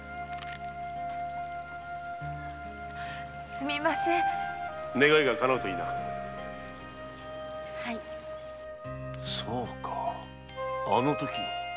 すみません願いがかなうといいそうかあのときの。